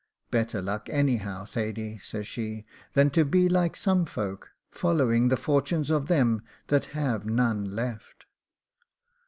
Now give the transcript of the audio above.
'Better luck, anyhow, Thady,' says she, 'than to be like some folk, following the fortunes of them that have none left.